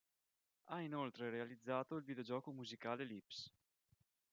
Ha inoltre realizzato il videogioco musicale "Lips".